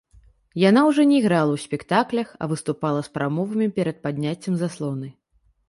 Яна ўжо не іграла ў спектаклях, а выступала з прамовамі перад падняццем заслоны.